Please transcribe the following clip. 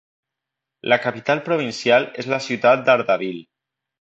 La capital provincial és la ciutat d'Ardabil.